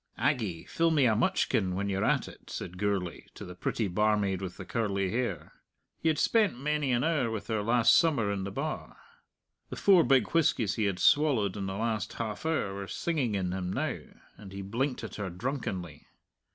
"Aggie, fill me a mutchkin when you're at it," said Gourlay to the pretty barmaid with the curly hair. He had spent many an hour with her last summer in the bar. The four big whiskies he had swallowed in the last half hour were singing in him now, and he blinked at her drunkenly.